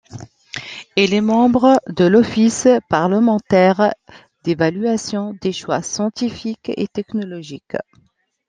Il est membre de l'Office parlementaire d'évaluation des choix scientifiques et technologiques.